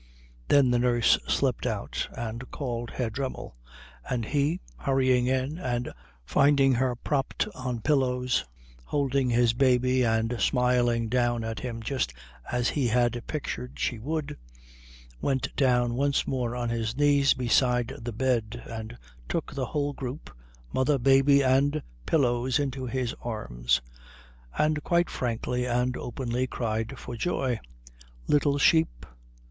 Then the nurse slipped out and called Herr Dremmel; and he, hurrying in and finding her propped on pillows, holding his baby and smiling down at him just as he had pictured she would, went down once more on his knees beside the bed and took the whole group, mother, baby, and pillows, into his arms, and quite frankly and openly cried for joy. "Little sheep